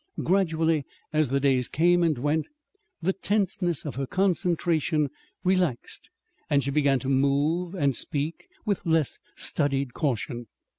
Gradually, as the days came and went, the tenseness of her concentration relaxed, and she began to move and speak with less studied caution.